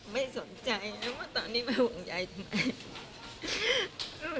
ไม่สนใจตอนนี้ไม่ห่วงใจทำไม